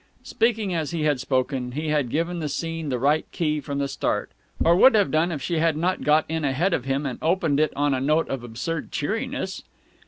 Speaking as he had spoken, he had given the scene the right key from the start or would have done if she had not got in ahead of him and opened it on a note of absurd cheeriness?